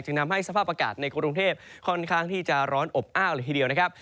ทำให้สภาพอากาศในกรุงเทพค่อนข้างที่จะร้อนอบอ้าวเลยทีเดียวนะครับ